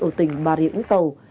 ở tỉnh bà riễng tàu